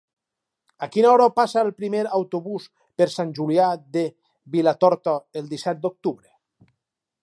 A quina hora passa el primer autobús per Sant Julià de Vilatorta el disset d'octubre?